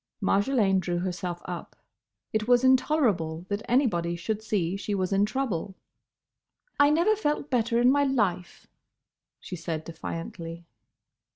Marjolaine drew herself up. It was intolerable that anybody should see she was in trouble. "I never felt better in my life," she said defiantly.